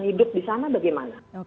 hidup di sana bagaimana